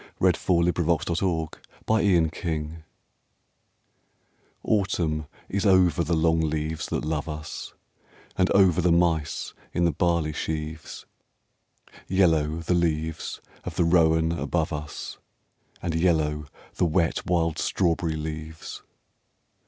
THE FALLING OF THE LEAVES AUTUMN is over the long leaves that love us, And over the mice in the barley sheaves; Yellow the leaves of the rowan above us, And yellow the wet wild strawberry leaves.